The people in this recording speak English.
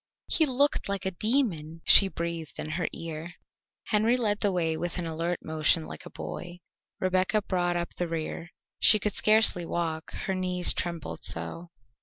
"He looked like a demon!" she breathed in her ear. Henry led the way with an alert motion like a boy; Rebecca brought up the rear; she could scarcely walk, her knees trembled so.